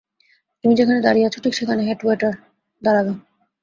তুমি যেখানে দাঁড়িয়ে আছো, ঠিক সেখানে হেড ওয়েটার দাঁড়াবে।